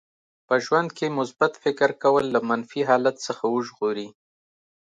په ژوند کې مثبت فکر کول له منفي حالت څخه وژغوري.